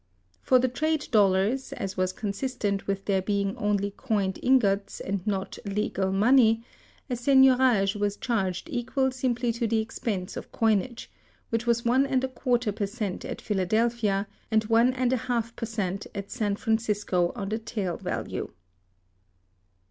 For the trade dollars, as was consistent with their being only coined ingots and not legal money, a seigniorage was charged equal simply to the expense of coinage, which was one and a quarter per cent at Philadelphia, and one and a half per cent at San Francisco on the tale value.